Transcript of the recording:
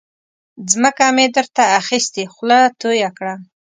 ځمکه مې در ته اخستې خوله تویه کړه.